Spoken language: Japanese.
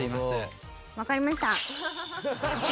わかりました。